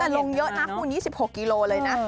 ลงเยอะนะคุณ๒๖กิโลเลยนะ